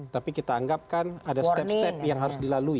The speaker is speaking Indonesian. tapi kita anggap kan ada step step yang harus dilalui